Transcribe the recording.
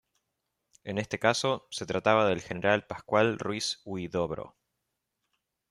En este caso, se trataba del general Pascual Ruiz Huidobro.